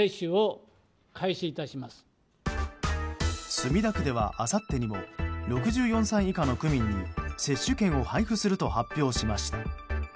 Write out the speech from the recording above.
墨田区には、あさってにも６４歳以下の区民に接種券を配布すると発表しました。